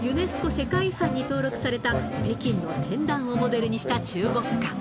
世界遺産に登録された北京の天壇をモデルにした中国館